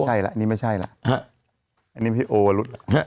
อันนี้ไม่ใช่แล้วอันนี้ไม่ใช่โอวะรุด